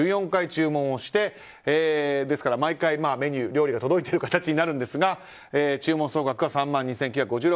１４回注文してですから、毎回メニュー、料理が届いている形になるんですが注文総額は３万２９５６円。